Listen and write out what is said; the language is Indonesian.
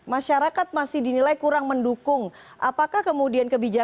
oke pak saleh masyarakat masih dinilai kurang mendukung apakah kemudian kebiasaan